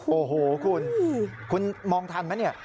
โอ้โหคุณคุณมองทันไหมเนี่ย